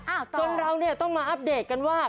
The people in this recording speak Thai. อ้าวต่อจนเราต้องมาอัปเดตกันว่า